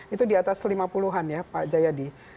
itu di atas lima puluhan ya pak jayadi